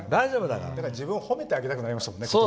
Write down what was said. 自分を褒めてあげたくなりましたね。